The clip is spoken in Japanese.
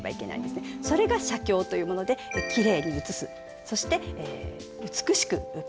それが写経というものできれいに写すそして美しく書いていく。